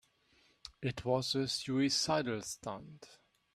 It was a suicidal stunt.